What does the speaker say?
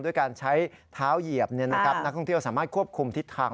ด้วยการใช้เท้าเหยียบนักท่องเที่ยวสามารถควบคุมทิศทาง